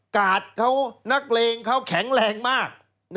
กาดเขานักเลงเขาแข็งแรงมาก